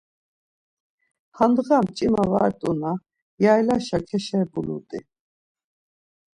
Handğa mç̌ima var t̆una yaylaşa keşebulut̆i.